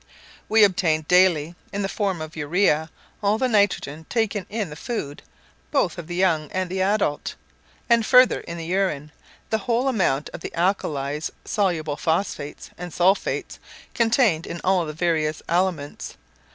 We obtain daily, in the form of urea, all the nitrogen taken in the food both of the young and the adult; and further, in the urine, the whole amount of the alkalies, soluble phosphates and sulphates, contained in all the various aliments.